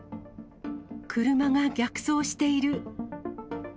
車が逆走している。